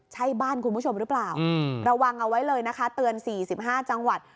ใช่บ้านคุณผู้ชมหรือเปล่าระวังเอาไว้เลยนะคะเตือน๔๕จังหวัด